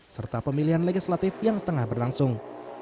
serta pemilihan legislatif yang tengah berlangsung